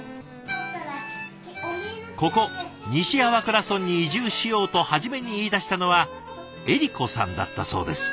ここ西粟倉村に移住しようと初めに言いだしたのはえり子さんだったそうです。